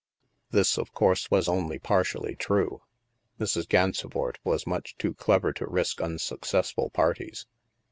This, of course, was only partially true. Mrs. Gansevoort was much too clever to risk unsuccess ful parties.